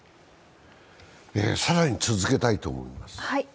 更に続けたいと思います。